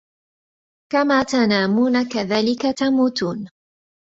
كَمَا تَنَامُونَ كَذَلِكَ تَمُوتُونَ